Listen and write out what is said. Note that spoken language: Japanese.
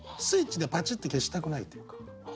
スイッチでパチッて消したくないっていうか。